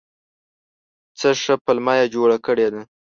څه ښه پلمه یې جوړه کړې ده !